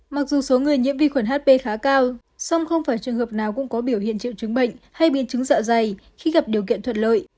mặc dù số người nhiễm vi khuẩn hp khá cao song không phải trường hợp nào cũng có biểu hiện triệu chứng bệnh hay biến chứng dạ dày khi gặp điều kiện thuận lợi